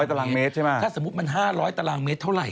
ตารางเมตรใช่ไหมถ้าสมมุติมัน๕๐๐ตารางเมตรเท่าไห